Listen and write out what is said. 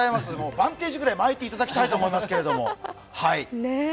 バンテージぐらい巻いていただきたいと思いますけど。